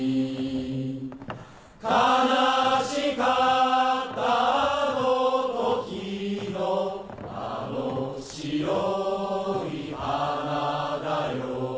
悲しかったあの時のあの白い花だよ